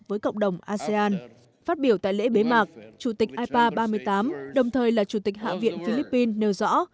với cộng đồng asean phát biểu tại lễ bế mạc chủ tịch ipa ba mươi tám đồng thời là chủ tịch hạ viện philippines nêu rõ